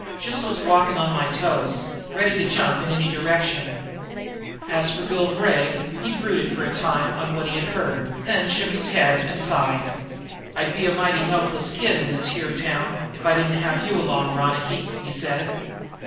Just was walking on my toes, ready to jump in any direction." As for Bill Gregg, he brooded for a time on what he had heard, then he shook his head and sighed. "I'd be a mighty helpless kid in this here town if I didn't have you along, Ronicky," he said.